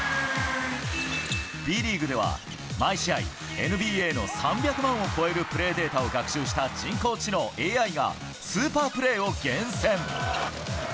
Ｂリーグでは毎試合、ＮＢＡの３００万を超えるプレーデータを学習した人工知能・ＡＩが、スーパープレーを厳選。